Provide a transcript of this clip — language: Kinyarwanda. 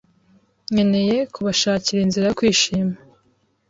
nkeneye kubashakira inzira yo kwishima.